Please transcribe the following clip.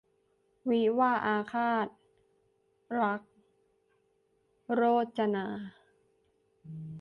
วิวาห์อาฆาต - ลักษณ์ โรจนา